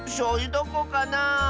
どこかなあ。